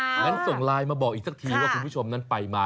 งั้นส่งไลน์มาบอกอีกสักทีว่าคุณผู้ชมนั้นไปมา